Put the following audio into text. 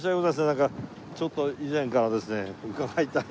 なんかちょっと以前からですね伺いたいなと。